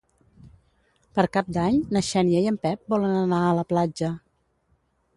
Per Cap d'Any na Xènia i en Pep volen anar a la platja.